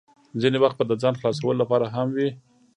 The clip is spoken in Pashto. ځینې وخت به د ځان خلاصولو لپاره هم وې.